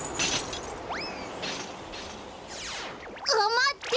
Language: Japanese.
まって！